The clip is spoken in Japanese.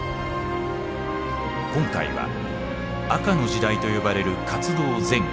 今回は「赤の時代」と呼ばれる活動前期。